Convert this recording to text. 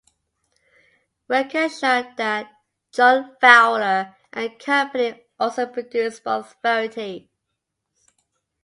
Records show that John Fowler and Company also produced both varieties.